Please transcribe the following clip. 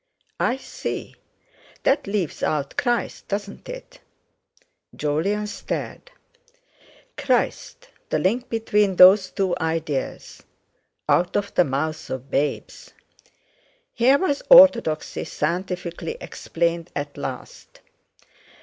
"I see. That leaves out Christ, doesn't it?" Jolyon stared. Christ, the link between those two ideas! Out of the mouth of babes! Here was orthodoxy scientifically explained at last!